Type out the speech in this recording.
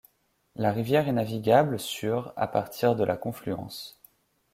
La rivière est navigable sur à partir de la confluence.